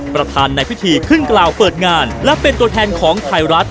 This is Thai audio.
ประธานในพิธีขึ้นกล่าวเปิดงานและเป็นตัวแทนของไทยรัฐ